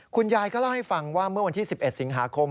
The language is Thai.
คุณยายก็เล่าให้ฟังว่าเมื่อวันที่๑๑สิงหาคม